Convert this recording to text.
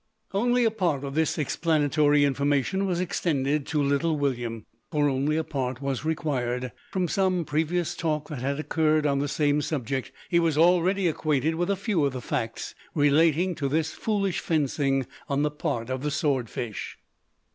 Only a part of this explanatory information was extended to little William: for only a part was required. From some previous talk that had occurred on the same subject, he was already acquainted with a few of the facts relating to this foolish fencing on the part of the sword fish.